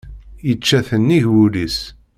Yečča-t nnig wul-is.